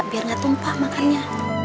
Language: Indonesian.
biar gak tumpah makannya